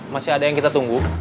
masih ada yang kita tunggu